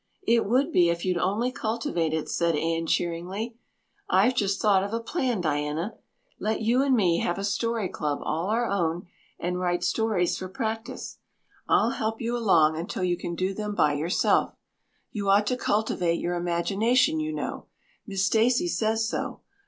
"It would be if you'd only cultivate it," said Anne cheeringly. "I've just thought of a plan, Diana. Let you and me have a story club all our own and write stories for practice. I'll help you along until you can do them by yourself. You ought to cultivate your imagination, you know. Miss Stacy says so.